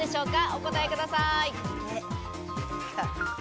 お答えください。